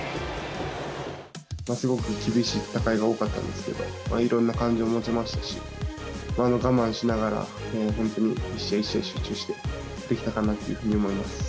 すごく厳しい戦いが多かったんですけど、いろんな感情を持ちましたし、我慢しながら本当に一試合一試合集中してできたかなというふうに思います。